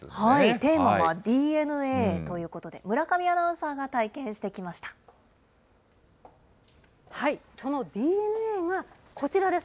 テーマはＤＮＡということで、村上アナウンサーが体験してきまそのＤＮＡがこちらです。